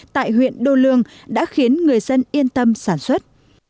tại huyện đô lương đã khiến người dân yên tâm sản xuất